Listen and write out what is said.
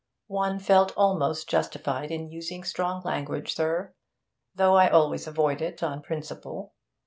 'One felt almost justified in using strong language, sir though I always avoid it on principle.